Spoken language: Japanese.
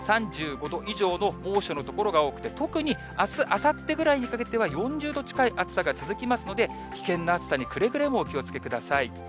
３５度以上の猛暑の所が多くて、特にあす、あさってぐらいにかけては、４０度近い暑さが続きますので、危険な暑さにくれぐれもお気をつけください。